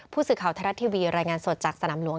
ผู้สื่อข่าวไทยรัฐทีวีรายงานสดจากสนามหลวง